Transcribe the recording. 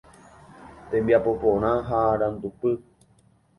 Tembiapoporã ha Arandupy